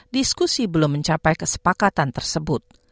diskusi belum mencapai kesepakatan tersebut